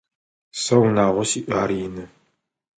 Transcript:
Сэ унагъо сиӏ, ар ины.